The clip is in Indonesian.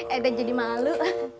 edah jadi malu